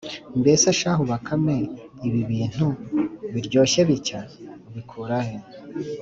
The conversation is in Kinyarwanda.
mbese shahu bakame ibi bintu biryoshye bitya, ubikura he